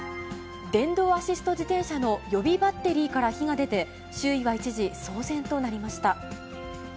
電動アシスト自転車の予備バッテリーから火が出て、周囲は一時、騒然となりました。